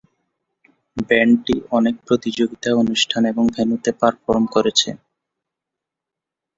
ব্যান্ডটি অনেক প্রতিযোগিতা, অনুষ্ঠান এবং ভেন্যুতে পারফর্ম করেছে।